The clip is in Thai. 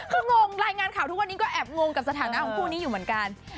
คืองงรายงานข่าวทุกวันนี้ก็แอบงงกับสถานะของคู่นี้อยู่เหมือนกัน